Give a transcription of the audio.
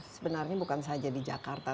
sebenarnya bukan saja di jakarta